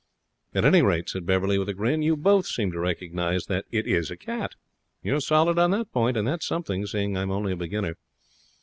'At any rate,' said Beverley, with a grin, 'you both seem to recognize that it is a cat. You're solid on that point, and that's something, seeing I'm only a beginner.'